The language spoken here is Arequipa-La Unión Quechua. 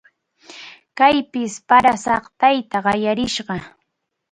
Kaypis para saqtayta qallarisqa.